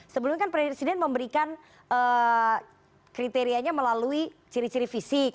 sebelumnya kan presiden memberikan kriterianya melalui ciri ciri fisik